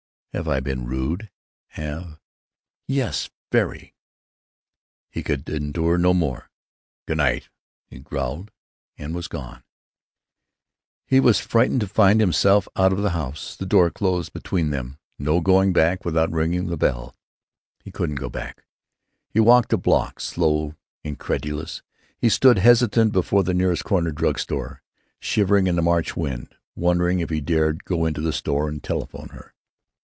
"Have I been rude? Have——" "Yes. Very." He could endure no more. "Good night!" he growled, and was gone. He was frightened to find himself out of the house; the door closed between them; no going back without ringing the bell. He couldn't go back. He walked a block, slow, incredulous. He stood hesitant before the nearest corner drug store, shivering in the March wind, wondering if he dared go into the store and telephone her.